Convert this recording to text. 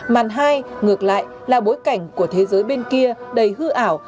màn hai ngược lại là bối cảnh của thế giới bên kia đầy hư ảo